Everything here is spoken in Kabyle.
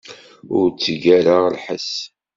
Ur tteg ara lḥess.